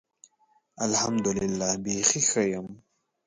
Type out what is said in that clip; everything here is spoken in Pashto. الحمدالله. بیخي ښۀ یم.